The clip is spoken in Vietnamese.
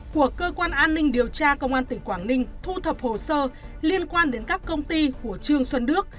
của cơ quan an ninh điều tra công an tỉnh quảng ninh thu thập hồ sơ liên quan đến các công ty của trương xuân đức